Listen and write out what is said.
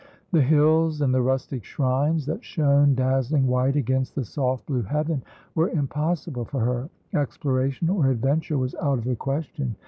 The hills, and the rustic shrines that shone dazzling white against the soft blue heaven, were impossible for her. Exploration or adventure was out of the question.